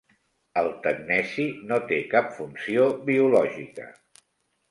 El tecneci no té cap funció biològica.